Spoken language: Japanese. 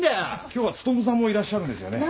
今日は努さんもいらっしゃるんですよね？